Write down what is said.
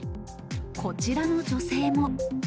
こちらの女性も。